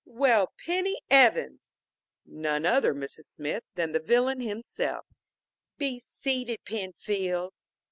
"Well, Penny Evans!" "None other, Mrs. Smith, than the villain himself." "Be seated, Penfield."